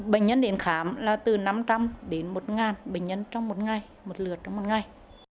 bệnh nhân đến khám là từ năm trăm linh đến một bệnh nhân trong một ngày một lượt trong một ngày